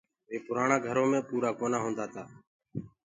وي پُرآڻآ گھرو مي پورآ ڪونآ هوندآ تآ۔